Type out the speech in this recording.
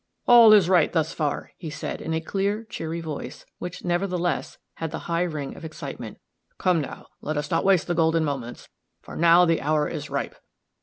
"All is right thus far," he said, in a clear, cheery voice, which, nevertheless, had the high ring of excitement. "Come, now, let us not waste the golden moments, for now the hour is ripe."